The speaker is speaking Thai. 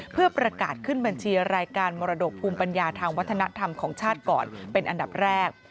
เพื่อประกาศขึ้นบัญชีรายการมรดกภูมิปัญญาทางวัฒนธรรมของชาติก่อนเป็นอันดับแรก